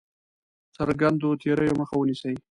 څرګندو تېریو مخه ونیسي.